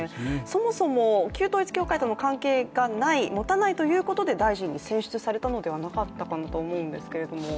そもそも旧統一教会との関係がない、持たないということで大臣に選出されたのではなかったかなと思うんですけれども。